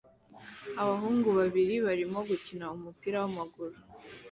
Abahungu babiri barimo gukina umupira wamaguru